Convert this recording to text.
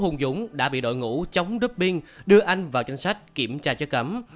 hùng dũng đã bị đội ngũ chống doping đưa anh vào tranh sách kiểm tra cho cấm